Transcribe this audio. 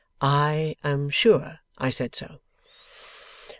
'I am sure I said so.